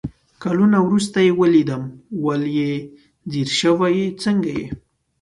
کالونه ورورسته يې ويلدم ول يې ځير شوي يې ، څنګه يې ؟